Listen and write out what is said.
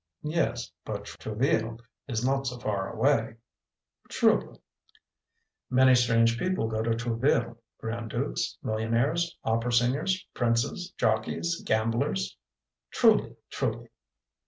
"Yes, but Trouville is not so far away." "Truly." "Many strange people go to Trouville: grand dukes, millionaires, opera singers, princes, jockeys, gamblers " "Truly, truly!"